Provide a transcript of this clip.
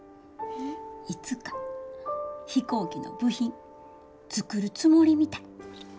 いつか飛行機の部品作るつもりみたい。